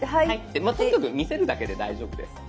とにかく見せるだけで大丈夫です。